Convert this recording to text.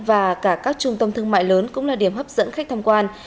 và cả các trung tâm thương mại lớn cũng là điểm hấp dẫn khách tham quan